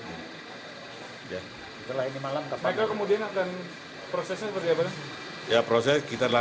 mereka kemudian akan prosesnya seperti apa